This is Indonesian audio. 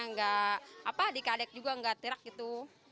nggak dikadek juga nggak tirak gitu